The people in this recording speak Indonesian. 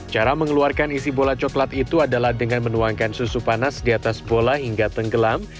cara mengeluarkan isi bola coklat itu adalah dengan menuangkan susu panas di atas bola hingga tenggelam